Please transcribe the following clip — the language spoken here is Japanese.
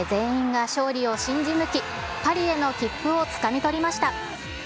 最後まで全員が勝利を信じぬき、パリへの切符をつかみ取りました。